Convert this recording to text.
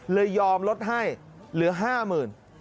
เลยยอมลดให้เหลือ๕๐๐๐๐